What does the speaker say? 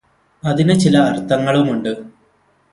അതിന് ചില അര്ത്ഥങ്ങളുമുണ്ട്